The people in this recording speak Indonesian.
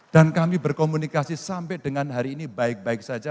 dan kami berkomunikasi sampai dengan hari ini baik baik saja